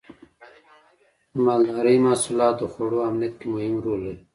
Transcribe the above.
د مالدارۍ محصولات د خوړو امنیت کې مهم رول لري.